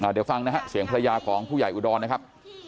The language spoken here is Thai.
เดี๋ยวฟังนะฮะเสียงภรรยาของผู้ใหญ่อุดรนะครับ